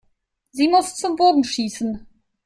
Sie muss zum Bogenschießen.